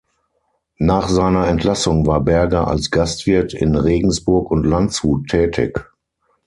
Nach seiner Entlassung war Berger als Gastwirt in Regensburg und Landshut tätig.